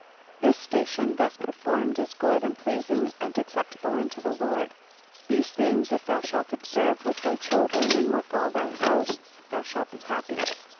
33 This station, thus performed, is good and pleasing and acceptable unto the Lord. These things if thou shalt observe with thy children and with all thy house, thou shalt be happy.